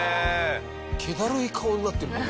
気だるい顔になってるよね。